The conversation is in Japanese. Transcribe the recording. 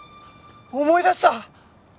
思い出した！